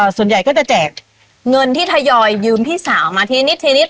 ส่วนใหญ่ก็จะแจกเงินที่ทยอยยืมพี่สาวมาทีนิดทีนิด